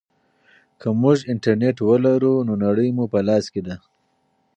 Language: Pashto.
که موږ انټرنیټ ولرو نو نړۍ مو په لاس کې ده.